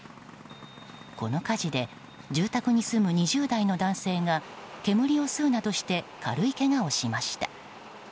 この火事で住宅に住む２０代の男性が煙を吸うなどして軽いけがをしました。